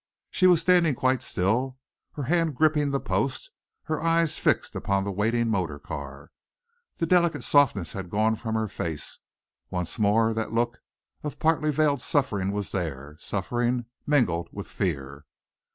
She was standing quite still, her hand gripping the post, her eyes fixed upon the waiting motor car. The delicate softness had gone from her face. Once more that look of partly veiled suffering was there, suffering mingled with fear.